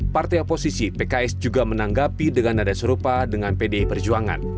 partai oposisi pks juga menanggapi dengan nada serupa dengan pdi perjuangan